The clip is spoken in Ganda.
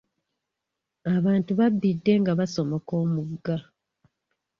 Abantu babbidde nga basomoka omugga.